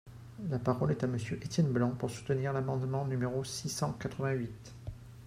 La parole est à Monsieur Étienne Blanc, pour soutenir l’amendement numéro six cent quatre-vingt-huit.